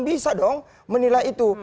bisa dong menilai itu